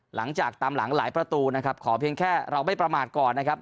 หลังจากตามหลังหลายประตูนะครับขอเพียงแค่เราไม่ประมาทก่อนนะครับ